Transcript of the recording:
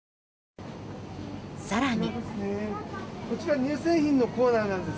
更に。